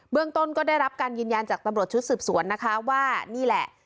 เรื่องต้นก็ได้รับการยืนยันจากตำรวจชุดสืบสวนนะคะว่านี่แหละ